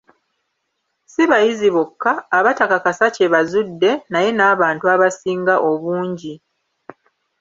Ssi bayizi bokka, abatakakasa kye bazudde, naye n'abantu abasinga obungi.